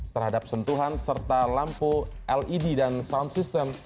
terhadap sentuhan serta lampu led dan sound system